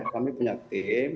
kami punya tim